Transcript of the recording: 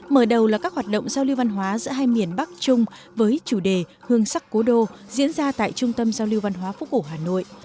mở đầu là các hoạt động giao lưu văn hóa giữa hai miền bắc trung với chủ đề hương sắc cố đô diễn ra tại trung tâm giao lưu văn hóa phố cổ hà nội